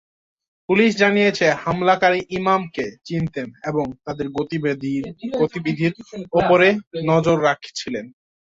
Police জানিয়েছে, হামলাকারী ইমামকে চিনতেন এবং তাঁদের গতিবিধির ওপর নজর রাখছিলেন।